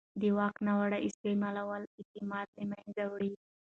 د واک ناوړه استعمال اعتماد له منځه وړي